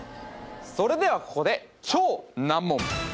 それではここで超難問